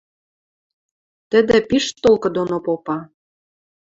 Тӹдӹ пиш толкы доно попа.